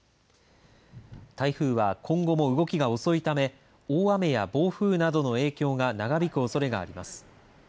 台風は今後も動きが遅いため大雨や暴風などの影響が長引くおそれがあります。